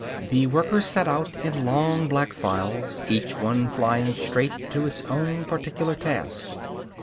The workers set out, in long black files, each one flying straight to its own particular task.